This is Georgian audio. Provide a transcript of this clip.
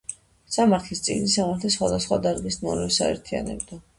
სამართლის წიგნი სამართლის სხვადასხვა დარგის ნორმებს აერთიანებდა.